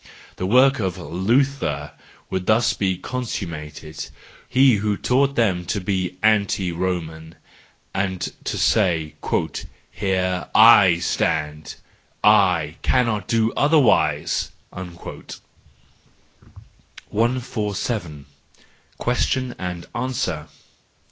The work of Luther would thus be consummated,—he who taught them to be anti Roman and to say: " Here I stand! I cannot do otherwise! "— 147. Question and Answer